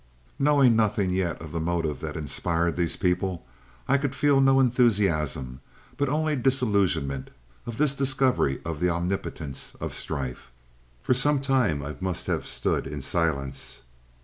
Knowing nothing yet of the motive that inspired these people, I could feel no enthusiasm, but only disillusionment at this discovery of the omnipotence of strife. "For some time I must have stood in silence.